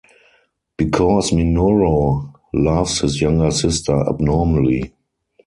Because Minoru loves his younger sister abnormally.